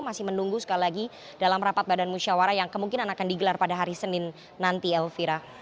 masih menunggu sekali lagi dalam rapat badan musyawarah yang kemungkinan akan digelar pada hari senin nanti elvira